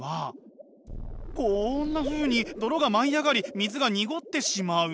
こんなふうに泥が舞い上がり水が濁ってしまう。